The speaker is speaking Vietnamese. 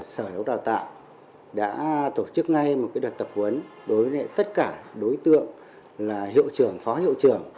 sở hữu đào tạo đã tổ chức ngay một đợt tập huấn đối với tất cả đối tượng là hiệu trưởng phó hiệu trưởng